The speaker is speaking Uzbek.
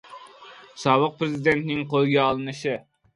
Sobiq prezidentning qo‘lga olinishi